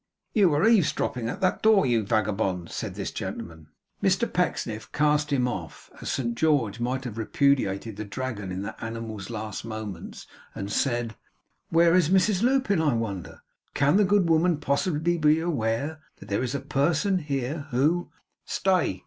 'You were eaves dropping at that door, you vagabond!' said this gentleman. Mr Pecksniff cast him off, as Saint George might have repudiated the Dragon in that animal's last moments, and said: 'Where is Mrs Lupin, I wonder! can the good woman possibly be aware that there is a person here who ' 'Stay!